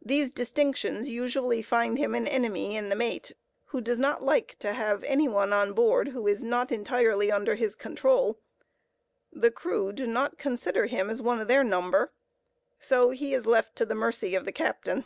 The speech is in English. These distinctions usually find him an enemy in the mate, who does not like to have any one on board who is not entirely under his control; the crew do not consider him as one of their number, so he is left to the mercy of the captain.